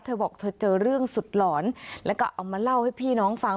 เธอบอกเธอเจอเรื่องสุดหลอนแล้วก็เอามาเล่าให้พี่น้องฟัง